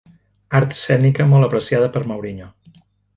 Art escènica molt apreciada per Mourinho.